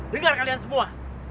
dengar kalian semua